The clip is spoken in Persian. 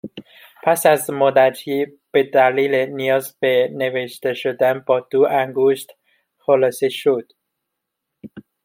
پس از مدّتی به دلیل نیاز به نوشتهشدن با دو انگشت، خلاصه شد